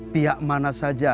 pihak mana saja